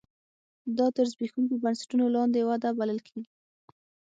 دا تر زبېښونکو بنسټونو لاندې وده بلل کېږي.